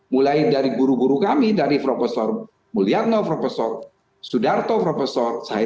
mulai dari guru guru kami dari prof mulyatno prof sudarto prof